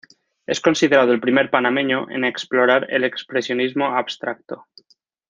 Es considerado el primer panameño en explorar el expresionismo abstracto.